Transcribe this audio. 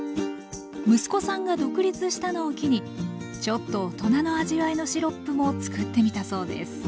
息子さんが独立したのを機にちょっと大人の味わいのシロップもつくってみたそうです